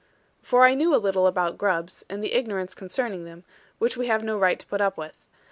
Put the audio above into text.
For I knew a little about grubs, and the ignorance concerning them, which we have no right to put up with.